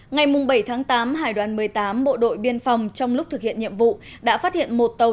ngày bảy tháng tám hải đoàn một mươi tám bộ đội biên phòng trong lúc thực hiện nhiệm vụ đã phát hiện một tàu